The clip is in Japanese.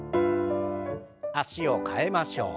脚を替えましょう。